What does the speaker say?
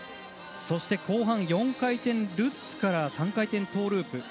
そして後半、４回転ルッツから３回転トーループ。